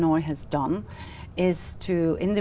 thi hợp gương stone